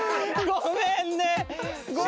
ごめんね。